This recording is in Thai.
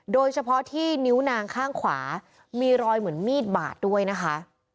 โดยเฉพาะที่นิ้วนางข้างขวามีรอยเหมือนมีดบาดด้วยนะคะ